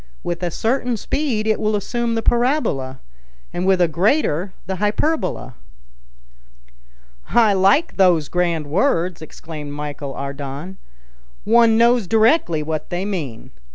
"With a certain speed it will assume the parabola, and with a greater the hyperbola." "I like those grand words," exclaimed Michel Ardan; "one knows directly what they mean.